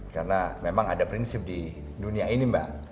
karena memang ada prinsip di dunia ini mbak